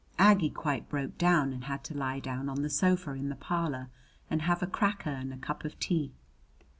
Aggie quite broke down and had to lie down on the sofa in the parlor and have a cracker and a cup of tea.